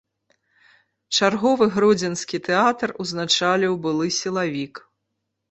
Чарговы гродзенскі тэатр узначаліў былы сілавік.